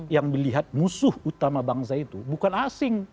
yang melihat musuh utama bangsa itu bukan asing